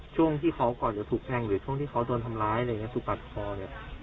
ช่วงที่เขาก่อนจะถูกแทงหรือช่วงที่เขาโดนทำร้ายอะไรอย่างนี้ถูกปัดคอเนี่ย